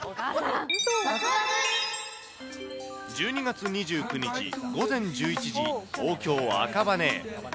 １２月２９日午前１１時、東京・赤羽。